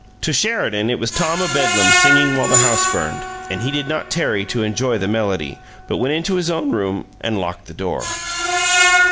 To Sheridan it was Tom o' Bedlam singing while the house burned; and he did not tarry to enjoy the melody, but went into his own room and locked the door.